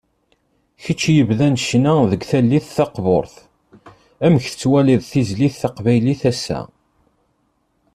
Kečč yebdan ccna deg tallit taqburt, amek tettwaliḍ tizlit taqbaylit ass-a?